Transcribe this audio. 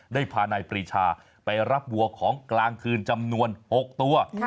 ได้พานายปรีชาไปรับวัวของกลางคืนจำนวน๖ตัว